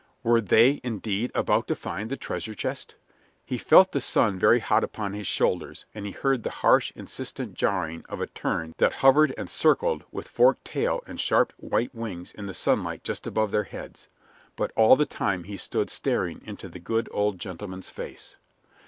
Were they, indeed, about to find the treasure chest? He felt the sun very hot upon his shoulders, and he heard the harsh, insistent jarring of a tern that hovered and circled with forked tail and sharp white wings in the sunlight just above their heads; but all the time he stood staring into the good old gentleman's face.